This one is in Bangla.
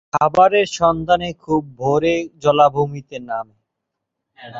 খাবারের সন্ধানে খুব ভোরে জলাভূমিতে নামে।